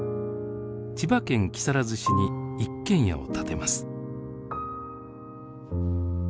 千葉県木更津市に一軒家を建てます。